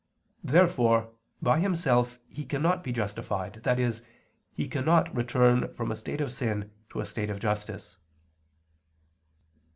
Therefore by himself he cannot be justified, i.e. he cannot return from a state of sin to a state of justice.